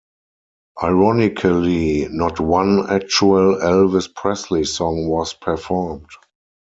Ironically, not one actual Elvis Presley song was performed.